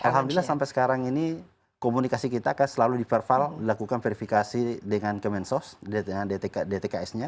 alhamdulillah sampai sekarang ini komunikasi kita akan selalu di verval dilakukan verifikasi dengan kemensos dtks nya